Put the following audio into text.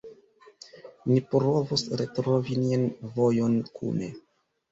Ni provos retrovi nian vojon kune.